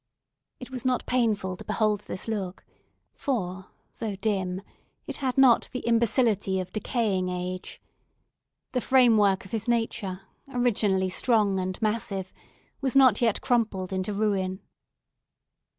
It was not painful to behold this look; for, though dim, it had not the imbecility of decaying age. The framework of his nature, originally strong and massive, was not yet crumpled into ruin.